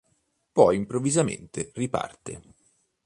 Poi improvvisamente riparte.